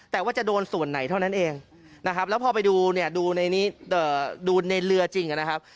แต่ว่าจะโดนส่วนไหนเท่านั้นเองนะครับแล้วพอไปดูเนี่ยดูในเรือจริงนะครับ